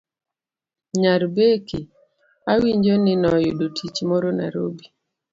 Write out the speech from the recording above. Nyar Becky awinjo ni noyudo tich moro Narobi